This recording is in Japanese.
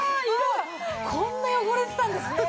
こんな汚れてたんですね！